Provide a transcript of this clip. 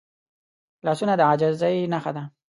لاسونه د عاجزۍ نښه ده